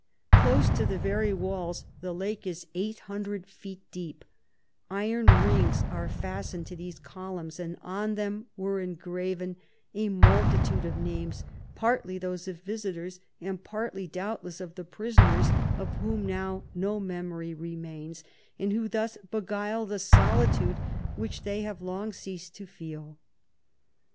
Close to the very walls, the lake is 800 129 feet deep ; iron rings are fastened to these columns, and on them were en graven a multitude of names, partly those of visitors, and partly doubtless of the prisoners, of whom now no me mory renins, and who thus beguiled a solitude which they have long ceased to feel.